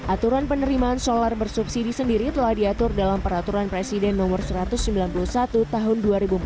aturan penerimaan solar bersubsidi sendiri telah diatur dalam peraturan presiden no satu ratus sembilan puluh satu tahun dua ribu empat belas